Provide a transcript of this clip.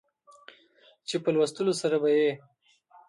چې په لوستلو سره به يې